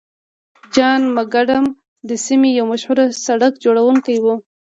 جان مکډم د سیمې یو مشهور سړک جوړونکی و.